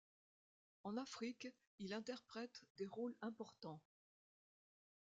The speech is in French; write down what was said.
En Afrique, il interprète des rôles importants.